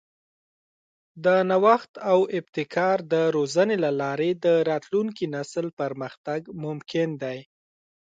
د نوښت او ابتکار د روزنې له لارې د راتلونکي نسل پرمختګ ممکن دی.